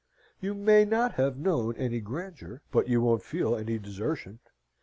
You may not have known any grandeur, but you won't feel any desertion.